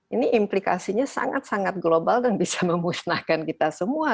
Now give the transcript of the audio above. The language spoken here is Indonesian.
ini implikasinya sangat sangat global dan bisa memusnahkan kita semua